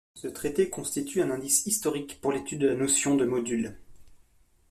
Ce traité constitue un indice historique pour l’étude de la notion de module.